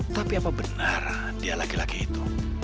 tapi apa benar dia laki laki itu